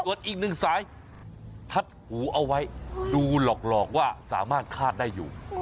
ส่วนอีกหนึ่งสายพัดหูเอาไว้ดูหลอกว่าสามารถคาดได้อยู่